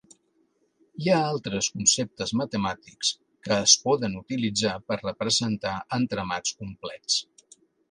Hi ha altres conceptes matemàtics que es poden utilitzar per representar entramats complets.